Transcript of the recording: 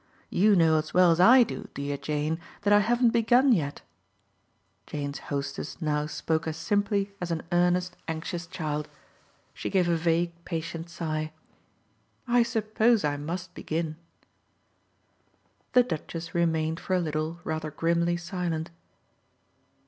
You know as well as I do, dear Jane, that I haven't begun yet." Jane's hostess now spoke as simply as an earnest anxious child. She gave a vague patient sigh. "I suppose I must begin!" The Duchess remained for a little rather grimly silent.